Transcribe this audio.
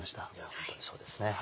ホントにそうですね。